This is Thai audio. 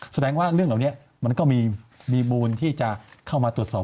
แสดงว่าเรื่องเหล่านี้มันก็มีมูลที่จะเข้ามาตรวจสอบ